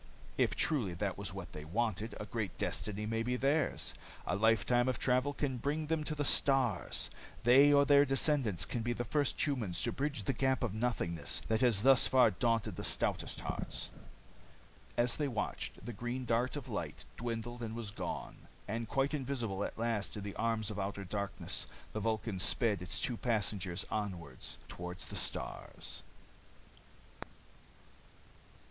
If truly that was what they wanted, a great destiny may be theirs. A lifetime of travel can bring them to the stars. They or their descendants can be the first humans to bridge the gap of nothingness that has thus far daunted the stoutest hearts." As they watched, the green dart of light dwindled and was gone. And quite invisible at last in the arms of outer darkness, the Vulcan sped its two passengers onward toward the stars.